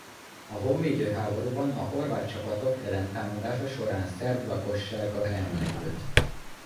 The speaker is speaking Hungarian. A honvédő háborúban a horvát csapatok ellentámadása során szerb lakossága elmenekült.